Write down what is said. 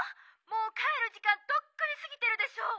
もうかえるじかんとっくにすぎてるでしょう！」。